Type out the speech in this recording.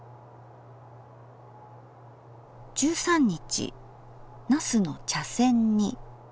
１３日「茄子の茶せん煮」。